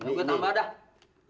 ini gue tambah dah